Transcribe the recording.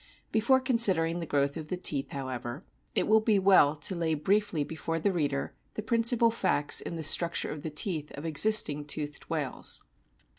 Before considering the growth of the teeth, how O <_> ever, it will be well to lay briefly before the reader the principal facts in the structure of the teeth of existing toothed whales.